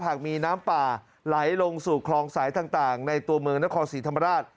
หากมีน้ำป่าไหลลงสู่คลองสายต่างในตัวเมืองนครศรีธรรมราช